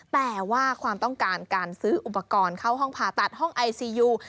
แต่ว่าความต้องการการซื้ออุปกรณ์เข้าห้องผ่าตัดห้องไอซียู